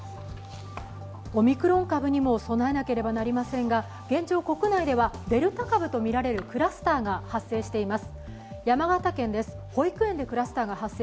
オミクロン株にも備えなければなりませんが現状、国内ではデルタ株とみられるクラスターが発生しています。